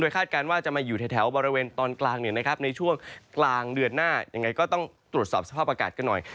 คาดการณ์ว่าจะมาอยู่แถวบริเวณตอนกลางในช่วงกลางเดือนหน้ายังไงก็ต้องตรวจสอบสภาพอากาศกันหน่อย